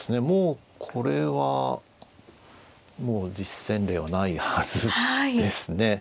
もうこれは実戦例はないはずですね。